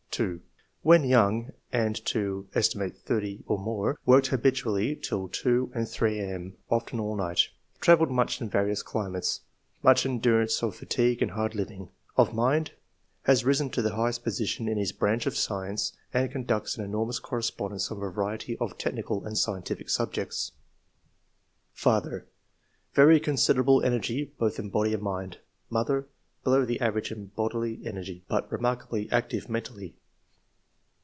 2. " When young, and to set. thirty or more, worked habitually till two and three a.m., often all night. Travelled much in various climates. Much endurance of fatigue and hard living — [an excellent mountaineer]. Of mind — [has risen to the highest position in his branch of science and conducts an enormous correspondence on a variety of technical and scientific subjects]. II.] QUALITIES. 79 " Father — Very considerable energy both in body and mind. Mother — ^Below the average in bodily energy, but remarkably active mentally."